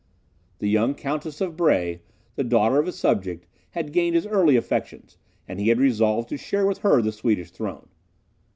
The young Countess of Brahe, the daughter of a subject, had gained his early affections, and he had resolved to share with her the Swedish throne.